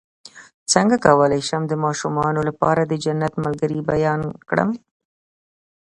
څنګه کولی شم د ماشومانو لپاره د جنت ملګري بیان کړم